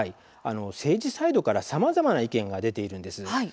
政治サイドからさまざまな意見が出ています。